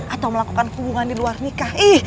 atau melakukan hubungan di luar nikah